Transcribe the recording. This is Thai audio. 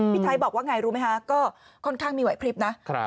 ไทยบอกว่าไงรู้ไหมคะก็ค่อนข้างมีไหวพลิบนะ